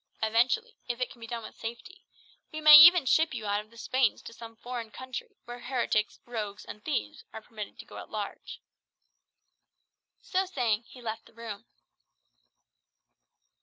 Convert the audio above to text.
Eventually, if it can be done with safety, we may even ship you out of the Spains to some foreign country, where heretics, rogues, and thieves are permitted to go at large." So saying, he left the room.